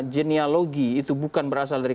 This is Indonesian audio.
genealogi itu bukan berasal dari